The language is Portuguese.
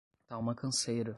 Tá uma canseira